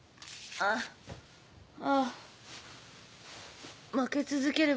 ああ。